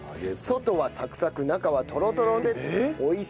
外はサクサク中はトロトロで美味しいです。